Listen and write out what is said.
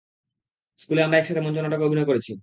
স্কুলে আমরা একসাথে মঞ্চনাটকে অভিনয় করেছি।